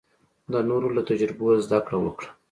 د نورو له تجربو زده کړه وکړه.